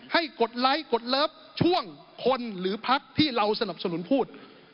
กดไลค์กดเลิฟช่วงคนหรือพักที่เราสนับสนุนพูด